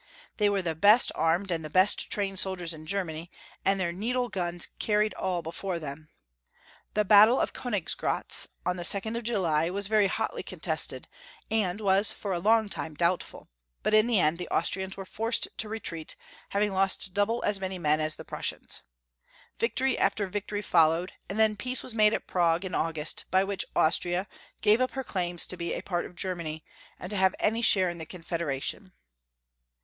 They were the best armed and best trained soldiers in Germany, and their needle guns carried all before them. The battle of Koniggratz, on the 2nd of July, was very hotly contested, and was for a long time doubtful, but in the end the Austrians were forced to retreat, having lost double as many men as the Prussians. Victory after victoiy followed, and then peace was made at Prague, in August, by which Austria gave up her claims to be a part of Germany, and to have any share in the Confederation.